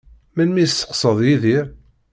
Melmi i tesseqsaḍ Yidir?